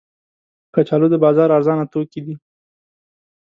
کچالو د بازار ارزانه توکي دي